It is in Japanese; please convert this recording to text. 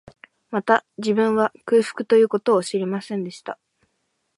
また、自分は、空腹という事を知りませんでした